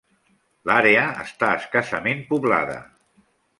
L'àrea està escassament poblada.